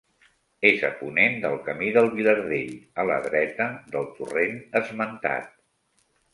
És a ponent del Camí del Vilardell, a la dreta del torrent esmentat.